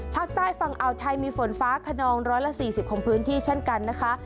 ภาคใต้ฝั่งอาวุธไทยมีฝนฟ้าคนองร้อยละสี่สิบของพื้นที่เช่นกันนะคะ